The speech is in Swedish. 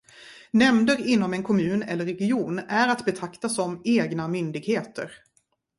Nämnder inom en kommun eller region är att betrakta som egna myndigheter.